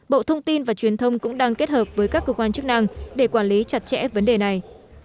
bộ thông tin và truyền thông cũng đang kết hợp với các cơ quan chức năng để quản lý chặt chẽ vấn đề này